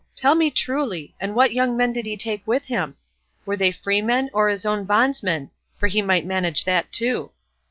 Tell me truly, and what young men did he take with him? Were they freemen or his own bondsmen—for he might manage that too?